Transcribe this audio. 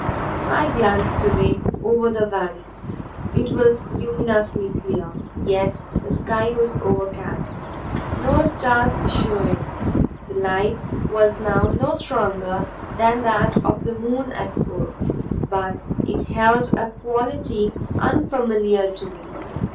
I glanced away; over the valley. It was luminously clear; yet the sky was overcast, no stars showing. The light was no stronger than that of the moon at full, but it held a quality unfamiliar to me.